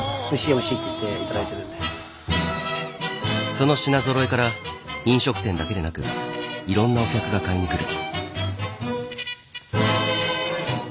その品ぞろえから飲食店だけでなくいろんなお客が買いに来る。